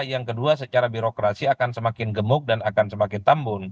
yang kedua secara birokrasi akan semakin gemuk dan akan semakin tambun